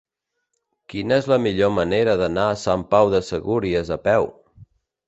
Quina és la millor manera d'anar a Sant Pau de Segúries a peu?